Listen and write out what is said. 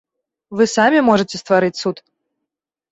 Вы самі можаце стварыць цуд!